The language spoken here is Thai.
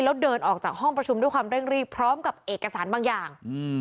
แล้วเดินออกจากห้องประชุมด้วยความเร่งรีบพร้อมกับเอกสารบางอย่าง